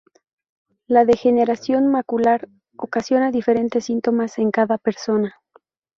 La degeneración macular ocasiona diferentes síntomas en cada persona.